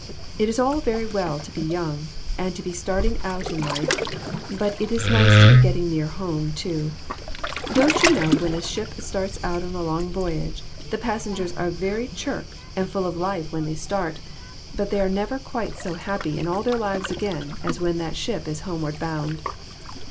It is all very well to be young, and to be starting out in life, but it is nice to be getting near home, too. Don't you know when a ship starts out on a long voyage the passengers are very chirk and full of life when 298 AN EVENTFUL AFTERNOON. they start, but they never are quite so happy in all their lives again as when that ship is home ward bound.